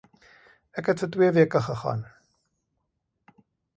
Ek het vir twee weke gegaan